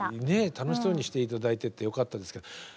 ねえ楽しそうにして頂いててよかったですけど。